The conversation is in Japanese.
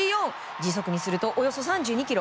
時速にするとおよそ３２キロ。